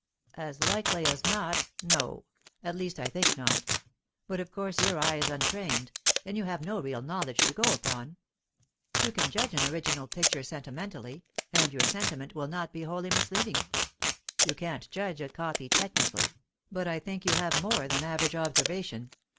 "As likely as not no; at least, I think not. But of course your eye is untrained, and you have no real knowledge to go upon. You can judge an original picture sentimentally, and your sentiment will not be wholly misleading. You can't judge a copy technically, but I think you have more than average observation.